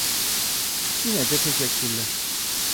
Yine de teşekkürler.